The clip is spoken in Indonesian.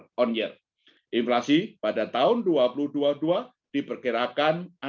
rupiah sampai dengan depresiasi dari mata uang sejumlah negara berkembang lainnya